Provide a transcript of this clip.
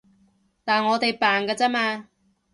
但我哋扮㗎咋嘛